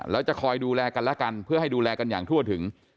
แล้วจะคอยดูแลกันและกันเพื่อให้ดูแลกันอย่างทั่วถึง